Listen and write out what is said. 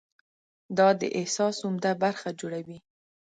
دا د احساس عمده برخه جوړوي.